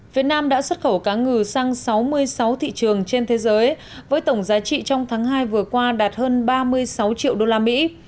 việt nam đã xuất khẩu cá ngừ sang sáu mươi sáu thị trường trên thế giới với tổng giá trị trong tháng hai vừa qua đạt hơn ba mươi sáu triệu đô la mỹ